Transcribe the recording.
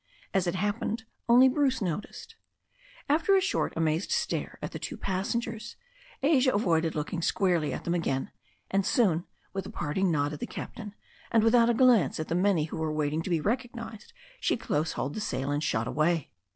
As it happened, only Bruce noticed. After a short amazed stare at the two strangers Asia avoided looking squarely at them again, and soon, with a "] 264 THE STORY OF A NEW ZEALAND RIVER parting nod at the captain, and without a glance at the many who were waiting to be recognized, she close hauled the sail, and shot away.